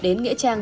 đến nghĩa trang